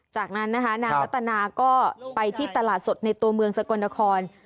จากนั้นนะคะนางรัตนาก็ไปที่ตลาดสดในตัวเมืองสกลนคร